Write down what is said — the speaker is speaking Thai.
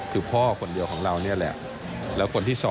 คือพ่อคนเดียวของเรานี่แหละ